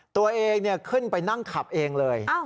ตัวเองขึ้นไปนั่งขับเองเลย